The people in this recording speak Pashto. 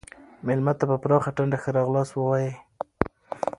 مېلمه ته په پراخه ټنډه ښه راغلاست ووایئ.